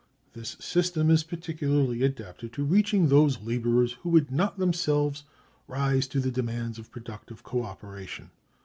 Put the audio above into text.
This system is particularly adapted to reaching those laborers who would not themselves rise to the demands of productive co operation.